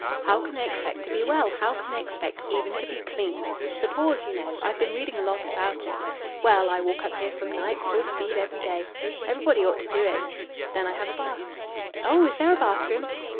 How can they expect to be well? How can they expect even to be clean? The pores, you know. I've been reading a lot about it. Well, I walk up here from Knype full speed every day. Everybody ought to do it. Then I have a bath." "Oh! Is there a bathroom?"